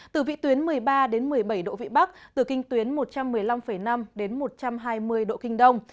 từ vị tuyến một mươi ba đến một mươi bảy độ vị bắc từ kinh tuyến một trăm một mươi năm năm đến một trăm hai mươi độ kinh đông